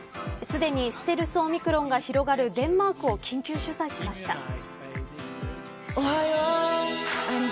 すでにステルスオミクロンが広がるデンマークを緊急取材しました。